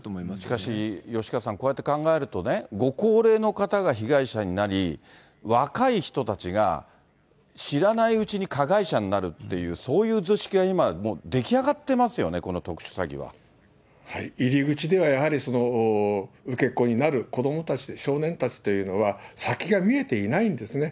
しかし吉川さん、こうやって考えるとね、ご高齢の方が被害者になり、若い人たちが知らないうちに加害者になるって、そういう図式が今、もう出来上がってますよね、入り口ではやはり、受け子になる子どもたち、少年たちというのは、先が見えていないんですね。